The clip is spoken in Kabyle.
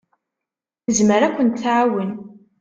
Tezmer ad kent-tɛawen.